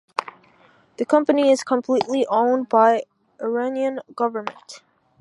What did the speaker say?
The company is completely owned by Iranian government.